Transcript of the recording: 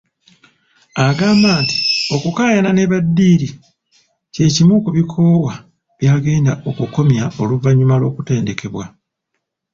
Agamba nti okukayana ne baddiiiri kye kimu ku bikowa by'agenda okukomya oluvannyuma lw'okutendekebwa.